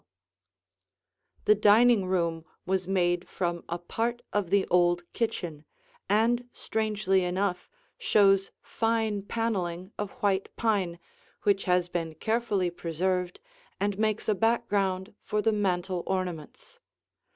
[Illustration: A Corner in the Dining Room] The dining room was made from a part of the old kitchen and strangely enough shows fine paneling of white pine, which has been carefully preserved and makes a background for the mantel ornaments.